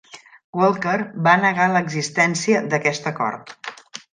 Walker va negar l'existència d'aquest acord.